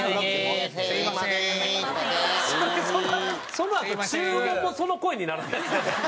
そのあと注文もその声にならないですか？